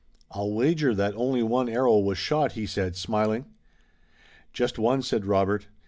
"I'll wager that only one arrow was shot," he said, smiling. "Just one," said Robert.